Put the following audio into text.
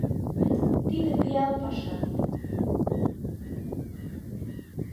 Тиде пиал паша.